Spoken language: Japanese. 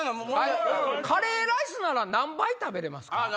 カレーライスなら何杯食べれますか？